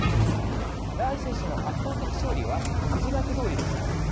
ライシ師の圧倒的勝利は筋書きどおりでした。